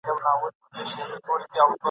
یوه ورځ یې له هوا ښار ته ورپام سو !.